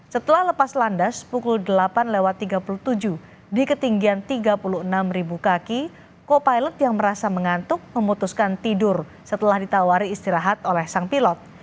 setelah lepas landas pukul delapan lewat tiga puluh tujuh di ketinggian tiga puluh enam kaki co pilot yang merasa mengantuk memutuskan tidur setelah ditawari istirahat oleh sang pilot